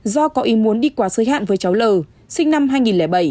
do có ý muốn đi qua sới hạn với cháu lờ sinh năm hai nghìn bảy